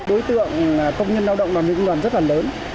đối tượng công nhân lao động đoàn viên công đoàn rất là lớn